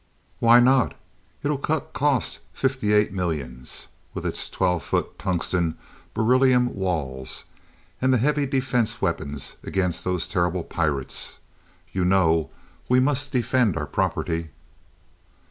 "Why not? It'll cut cost fifty eight millions, with its twelve foot tungsten beryllium walls and the heavy defense weapons against those terrible pirates. You know we must defend our property."